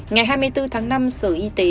ngày hai mươi bốn tháng năm sở y tế